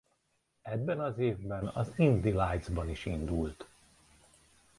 Ebben az évben az Indy Lights-ban is indult.